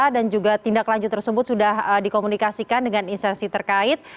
dan juga tindak lanjut tersebut sudah dikomunikasikan dengan instansi terkait